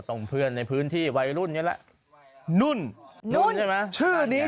ต้องเพื่อนในพื้นที่ไว้รุ่นเนี้ยละนุ่นนุ่นใช่ไหมชื่อนี้